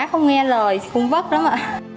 không nghe lời không vất lắm ạ